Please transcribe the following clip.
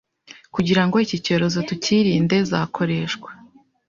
kugira ngo iki cyorezo tucyirinde zakoreshwa